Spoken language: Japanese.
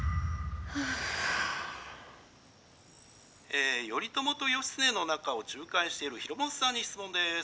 「え『頼朝と義経の仲を仲介しているひろもとさんに質問です。